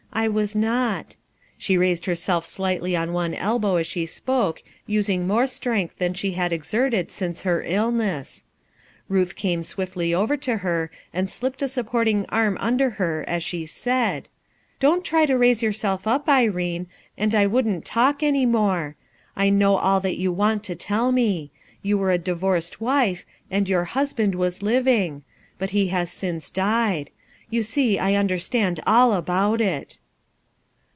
I was not." She raised herself sligHtly on one elbow as she spoke, using more strength than she had exerted since her illness. Rmh came swiftly over to her and slipped a support ino arm under her as she said :— "Don't try' to raise yourself up, Irene, and I wouldn't talk any more. I know all that you want to tell me. You were a divorced wife, and your husband was living; but he has since died. You see I understand all about it."